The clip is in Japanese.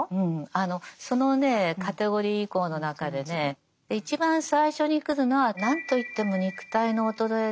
あのそのねカテゴリ移行の中でね一番最初に来るのは何といっても肉体の衰えですね。